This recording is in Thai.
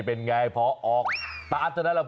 เป็นไงพอออกตราชะนั้นล่ะ